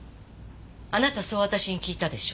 あなたそう私に聞いたでしょ。